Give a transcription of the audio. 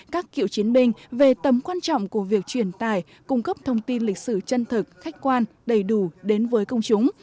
các cựu chiến binh về tầm quan trọng của việc truyền tải cung cấp thông tin lịch sử chân thực khách quan đầy đủ đến với công chúng